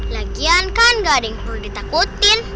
lagian kan gak ada yang perlu ditakutin